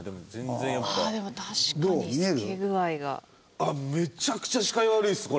あっめちゃくちゃ視界悪いですこれ。